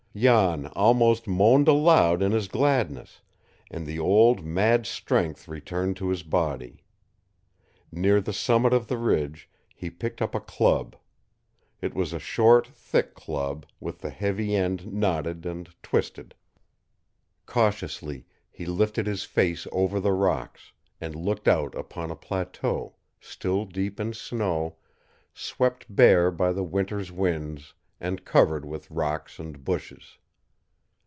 Jan almost moaned aloud in his gladness, and the old mad strength returned to his body. Near the summit of the ridge he picked up a club. It was a short, thick club, with the heavy end knotted and twisted. Cautiously he lifted his face over the rocks, and looked out upon a plateau, still deep in snow, swept bare by the winter's winds, and covered with rocks and bushes.